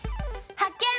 発見！